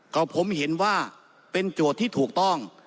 ก็ผมเห็นว่าเป็นโจทย์ที่ถูกต้อง